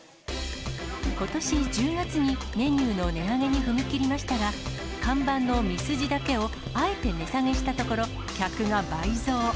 ことし１０月にメニューの値上げに踏み切りましたが、看板のミスジだけをあえて値下げしたところ、客が倍増。